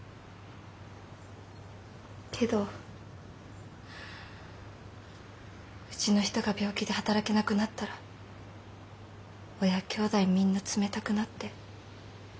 けどうちの人が病気で働けなくなったら親兄弟みんな冷たくなって。